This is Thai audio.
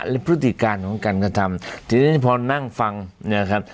และพฤติการของการกระทำทีนี้พอนั่งฟังเนี่ยครับ